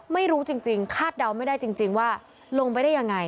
ไม่รู้จริงคาดเดาไม่ได้จริงว่าลงไปได้ยังไง